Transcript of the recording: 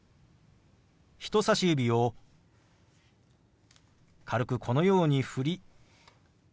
人さし指を軽くこのように振りＷｈ